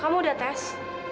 kamu udah tes